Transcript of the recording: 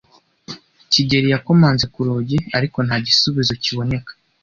kigeli yakomanze ku rugi, ariko nta gisubizo kiboneka.